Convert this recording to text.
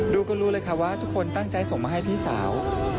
ดูก็รู้เลยค่ะว่าทุกคนตั้งใจส่งมาให้พี่สาว